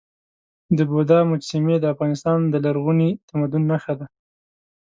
د بودا مجسمې د افغانستان د لرغوني تمدن نښه ده.